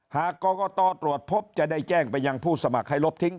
หากกรกตตรวจพบจะได้แจ้งไปยังผู้สมัครให้ลบทิ้ง